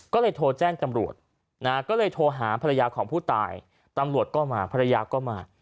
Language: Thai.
ก็เลยโทรแจ้งตำรวจนะฮะก็เลยโทรหาภรรยาของผู้ตายตำรวจก็มาภรรยาก็มา